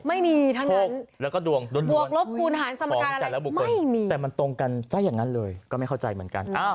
ไม่มีทั้งนั้น